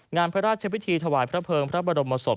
งานพระราชพิธีถวายพระเภิงพระบรมศพ